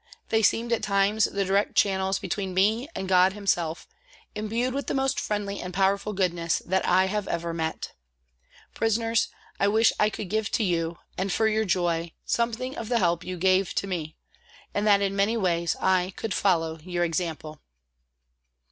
They seemed at times the direct channels between me and God Himself, imbued with the most friendly and powerful goodness that I have ever met. Prisoners, I wish I could give to you, for your joy, something of the help you gave to me, and that in many ways I could follow your example.